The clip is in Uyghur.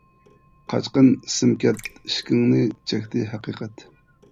قاچقىن ئېسىم كەت ئىشىكىڭنى چەكتى ھەقىقەت.